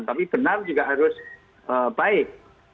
tapi benar juga harus baik